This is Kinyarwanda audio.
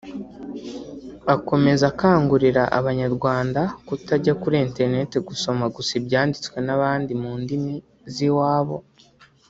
Akomeza akangurira Abanyarwanda kutajya kuri Internet gusoma gusa ibyanditswe n’abandi mu ndimi z’iwabo